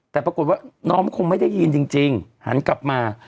แต่ปรากฏว่าน้องคงไม่ได้ยินจริงหันกลับมา